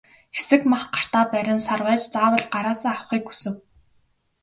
Хэсэг мах гартаа барин сарвайж заавал гараасаа авахыг хүсэв.